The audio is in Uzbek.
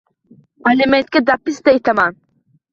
Alimentg‘a dabitsa itam!